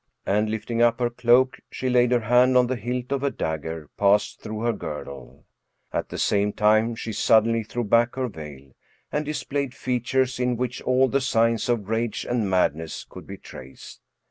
And, lifting up her cloak, she laid her hand on the hilt of a dagger passed through her girdle. At the same time she suddenly threw back her veil, and displayed features in which all the signs of rage and madness could be traced.